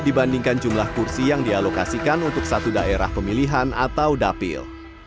dibandingkan jumlah kursi yang dialokasikan untuk satu daerah pemilihan atau dapil